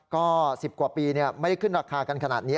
ก็๑๐กว่าปีไม่ได้ขึ้นราคากันขนาดนี้